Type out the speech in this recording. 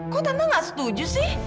kok tentu nggak setuju sih